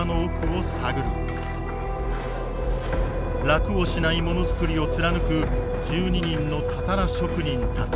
楽をしないものづくりを貫く１２人のたたら職人たち。